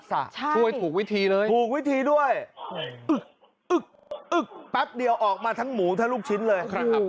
ช่วยถูกวิธีเลยถูกวิธีด้วยอึกอึกอึกแป๊บเดียวออกมาทั้งหมูทั้งลูกชิ้นเลยนะครับ